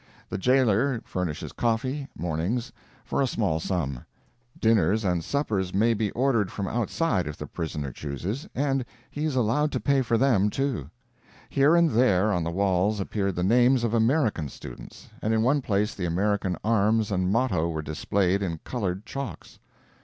The jailer furnishes coffee, mornings, for a small sum; dinners and suppers may be ordered from outside if the prisoner chooses and he is allowed to pay for them, too. Here and there, on the walls, appeared the names of American students, and in one place the American arms and motto were displayed in colored chalks.